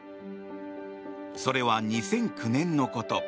それは、２００９年のこと。